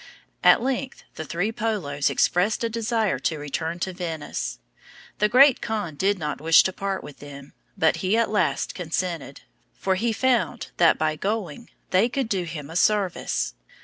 At length the three Polos expressed a desire to return to Venice. The great khan did not wish to part with them, but he at last consented; for he found that by going they could do him a service.